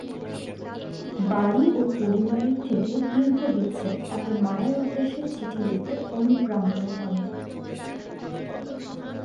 বাড়ি ও পরিবারের থেকে দীর্ঘ বিচ্ছেদ তাকে মায়ের উদ্দেশ্যে চিঠি লিখতে অনুপ্রাণিত করে।